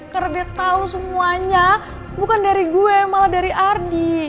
karena dia tau semuanya bukan dari gue malah dari ardi